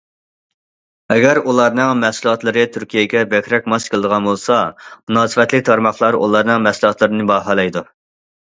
ئەگەر ئۇلارنىڭ مەھسۇلاتلىرى تۈركىيەگە بەكرەك ماس كېلىدىغان بولسا، مۇناسىۋەتلىك تارماقلار ئۇلارنىڭ مەھسۇلاتلىرىنى باھالايدۇ.